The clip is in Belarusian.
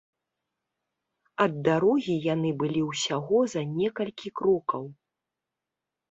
Ад дарогі яны былі ўсяго за некалькі крокаў.